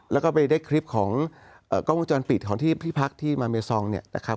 แล้วก็ไปได้คลิปของกล้องวงจรปิดของที่พี่พักที่มาเมซองเนี่ยนะครับ